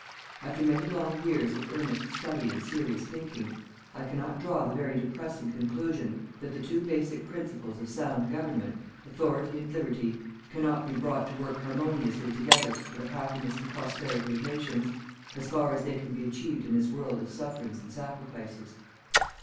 After many long years of earnest study and serious thinking, I cannot draw the very depressing conclusion that the two basic principles of sound government Authority and Liberty cannot be brought to work harmoniously together for the happiness and prosperity of nations, as far as they can be achieved in this world of sufferings and sacrifices.